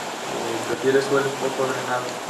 Prefiere suelos poco drenados.